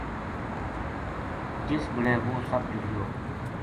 جس بِڑے وہ سپ جڑیو